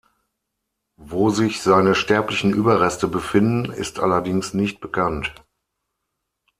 Wo sich seine sterblichen Überreste befinden, ist allerdings nicht bekannt.